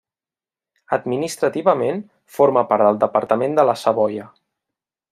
Administrativament forma part del departament de la Savoia.